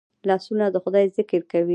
لاسونه د خدای ذکر کوي